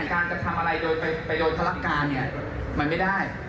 การกระทำอะไรโดยไปโดนภารการเนี่ยมันไม่ได้